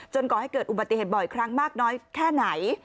ก่อให้เกิดอุบัติเหตุบ่อยครั้งมากน้อยแค่ไหน